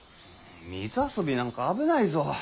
水遊びなんか危ないぞ。